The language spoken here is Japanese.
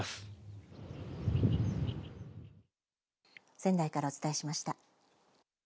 仙台からお伝えしました。